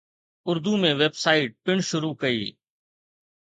Urdu ۾ website پڻ شروع ڪئي.